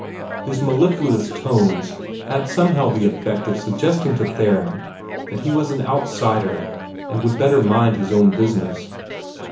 His mellifluous tones had somehow the effect of suggesting to Theron that he was an outsider and would better mind his own business.